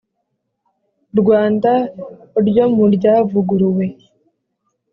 Rwanda ryo mu ryavuguruwe